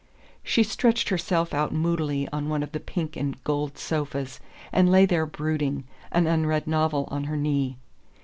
She stretched herself out moodily on one of the pink and gold sofas, and lay there brooding, an unread novel on her knee.